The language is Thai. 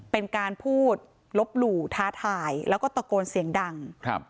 เป็นการพูดลบหลู่ท้าทายแล้วก็ตะโกนเสียงดังครับ